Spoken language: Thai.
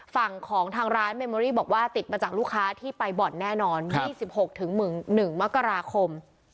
ฝั่งของทางร้านเมมอรี่บอกว่าติดมาจากลูกค้าที่ไปบ่อนแน่นอน๒๖๑มกราคม